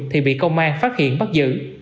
thì bị công an phát hiện bắt giữ